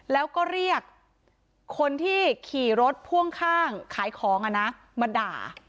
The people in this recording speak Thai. แล้วก็เรียกคนที่ขี่รถพ่วงข้างขายของมาด่า